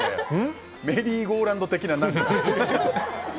メリーゴーラウンド的な何か。